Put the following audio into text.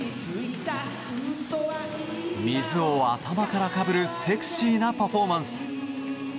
水を頭からかぶるセクシーなパフォーマンス。